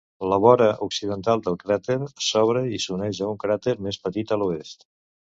La vora occidental del cràter s'obre i s'uneix a un cràter més petit a l'oest.